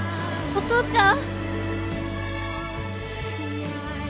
お父ちゃん！